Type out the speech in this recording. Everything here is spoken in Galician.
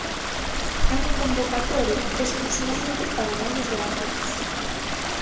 É unha convocatoria exclusivamente para medios gráficos.